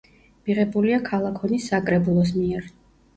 მიღებულია ქალაქ ონის საკრებულოს მიერ.